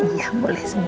iya boleh sayang